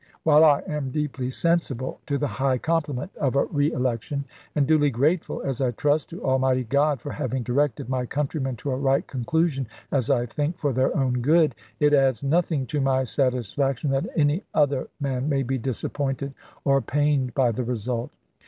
While I am deeply sensible to the high compliment of a reelection, and duly grateful, as I trust, to Almighty God for having directed my countrymen to a right conclu sion, as I think, for their own good, it adds nothing to my satisfaction that any other man may be disappointed or pained by the result.